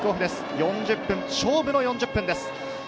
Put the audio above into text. ４０分、勝負の４０分です。